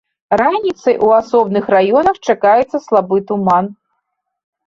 Раніцай у асобных раёнах чакаецца слабы туман.